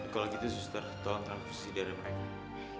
kalau gitu sister tolong transfusi di adanya mereka